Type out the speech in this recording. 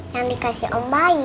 yang dikasih om bayi